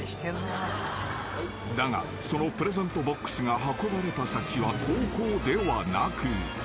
［だがそのプレゼントボックスが運ばれた先は高校ではなく］